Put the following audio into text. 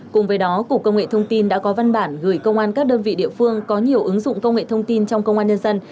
cùng với đó cục công nghệ thông tin đã có văn bản gửi công an các đơn vị địa phương có nhiều ứng dụng công nghệ thông tin trong công an nhân dân